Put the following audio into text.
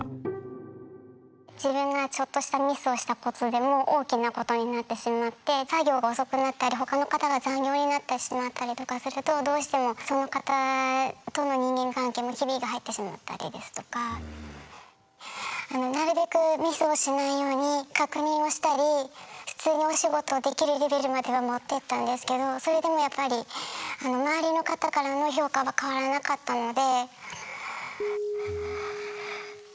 自分がちょっとしたミスをしたことでも大きなことになってしまって作業が遅くなったり他の方が残業になってしまったりとかするとどうしてもその方とのあのなるべくミスをしないように確認をしたり普通にお仕事できるレベルまではもってったんですけどそれでもやっぱり周りの方からの評価は変わらなかったので。